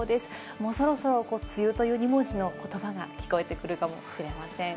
もうそろそろ梅雨という２文字が聞こえてくるかもしれません。